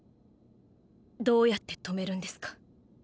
どうやって止めるんですか？